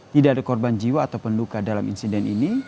tidak ada korban jiwa ataupun luka dalam insiden ini